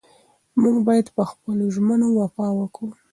موږ باید په خپلو ژمنو وفا وکړو.